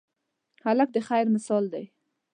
هلک د خیر مثال دی.